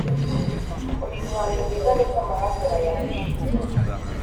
Uri ruhando rwiza ndetse amahanga urayarusha